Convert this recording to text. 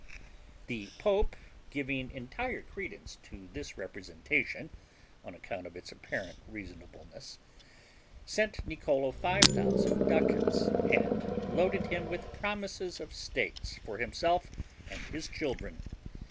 The pope giving entire credence to this representation, on account of its apparent reasonableness, sent Niccolo five thousand ducats and loaded him with promises of states for himself and his children.